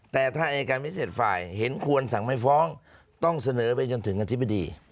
แต่ถ้าอายการพิเศษฝ่ายเห็นควรสั่งไม่ฟ้องต้องเสนอไปจนถึงอธิบดี